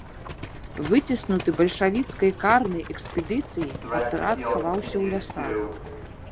Выціснуты бальшавіцкай карнай экспедыцыяй, атрад хаваўся ў лясах.